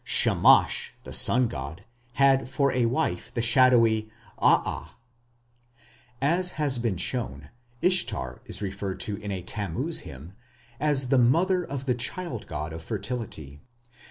Shamash, the sun god, had for wife the shadowy Aa. As has been shown, Ishtar is referred to in a Tammuz hymn as the mother of the child god of fertility.